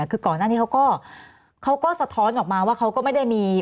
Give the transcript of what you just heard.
คือก่อนหน้านี้เขาก็สะท้อนออกมาว่าเขาก็ไม่ได้มี